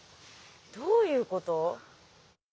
どういうこと？